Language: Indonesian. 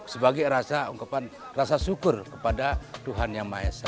sebagai rasa ungkapan rasa syukur kepada tuhan yang maha esa